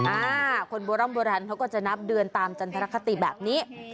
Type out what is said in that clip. อ่าคนโบร่ำโบราณเขาก็จะนับเดือนตามจันทรคติแบบนี้